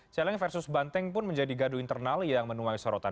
celeng versus banteng pun menjadi gaduh internal yang menuai sorotan